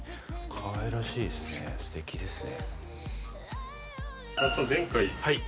かわいらしいっすねステキですね。